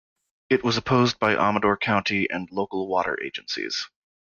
It was opposed by Amador County and local water agencies.